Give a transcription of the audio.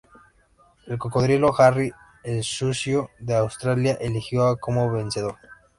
El cocodrilo "Harry el Sucio", de Australia, eligió a como vencedor.